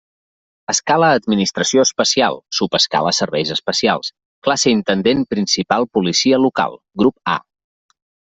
Escala administració especial, subescala serveis especials, classe intendent principal policia local, grup A.